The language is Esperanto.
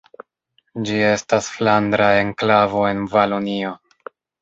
Ĝi estas flandra enklavo en Valonio.